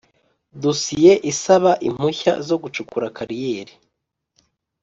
Dosiye isaba impushya zo gucukura kariyeri